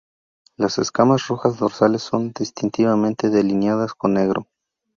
Las escamas rojas dorsales son distintivamente delineadas con negro.